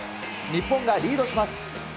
日本がリードします。